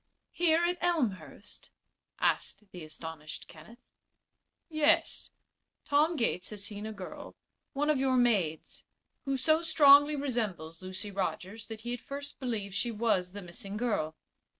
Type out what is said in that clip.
"Here at Elmhurst?" asked the astonished Kenneth. "Yes. Tom Gates has seen a girl one of your maids who so strongly resembles Lucy Rogers that he at first believed she was the missing girl."